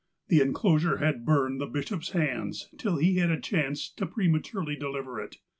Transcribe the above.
The enclosure had burned the bishop's hands, till he had a chance to prematurely deliver it.